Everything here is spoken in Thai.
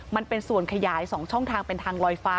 มันเป็นส่วนขยาย๒ช่องทางเป็นทางลอยฟ้า